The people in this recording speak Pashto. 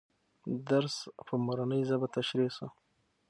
درس په مورنۍ ژبه تشریح سو.